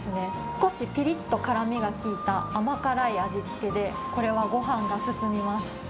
少しぴりっと辛みが効いた、甘辛い味付けで、これはごはんが進みます。